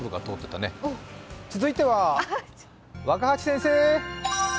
続いては若八先生。